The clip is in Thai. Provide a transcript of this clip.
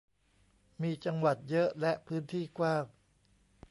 มีจังหวัดเยอะและพื้นที่กว้าง